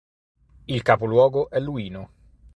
Il capoluogo è Luino.